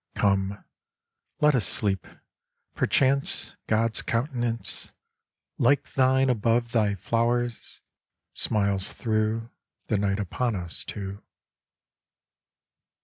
Come, let us sleep, Perchance God's countenance, Like thine above thy flowers, smiles through The night upon us two.